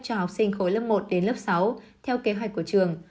cho học sinh khối lớp một đến lớp sáu theo kế hoạch của trường